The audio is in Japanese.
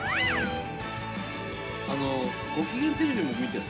あの『ごきげんテレビ』も見てるの？